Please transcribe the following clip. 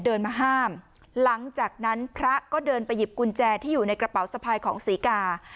เดินมาห้ามหลังจากนั้นพระก็เดินไปหยิบกุญแจที่อยู่ในกระเป๋าสะพายของศรีกา